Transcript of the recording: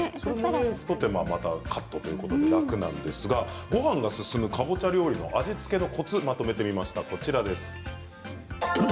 一手間カットということで楽なんですがごはんが進むかぼちゃ料理の味付けのコツをまとめてみました。